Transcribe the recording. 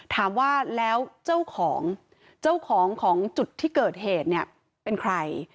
ถามว่าแล้วเจ้าของจุดที่เกิดเหตุเนี่ยเป็นใคร